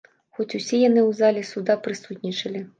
Хоць усе яны ў зале суда прысутнічалі.